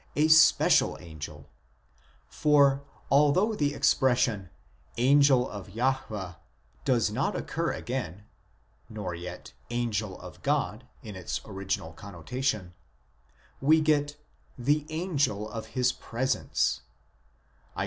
a special angel ; for, although the expression " angel of Jahwe " does not occur again (nor yet " angel of God" in its original connotation), we get "the angel of his presence" (Isa.